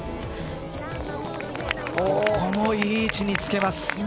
ここもいい位置につけます。